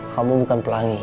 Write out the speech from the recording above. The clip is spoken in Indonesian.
kamu bukan pelangi